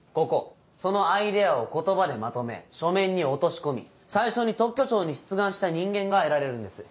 そのアイデアを言葉でまとめ書面に落とし込み最初に特許庁に出願した人間が得られるんです。